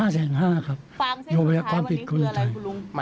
๕แสนกันครับฟังใช่มั้ยครับคุณลุง